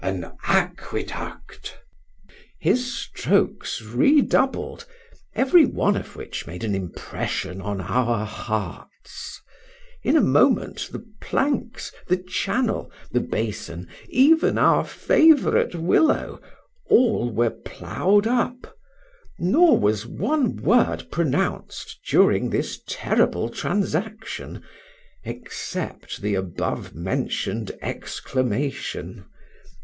an aqueduct! His strokes redoubled, every one of which made an impression on our hearts; in a moment the planks, the channel, the bason, even our favorite willow, all were ploughed up, nor was one word pronounced during this terrible transaction, except the above mentioned exclamation.